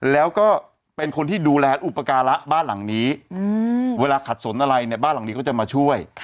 แล้วก็เป็นคนที่ดูแลอุปการะบ้านหลังนี้เวลาขัดสนอะไรเนี่ยบ้านหลังนี้ก็จะมาช่วย